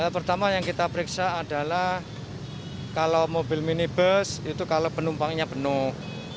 pertama yang kita periksa adalah kalau mobil minibus itu kalau penumpangnya penuh